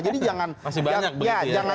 masih banyak begitu ya